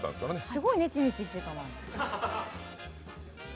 すごいネチネチしてたな。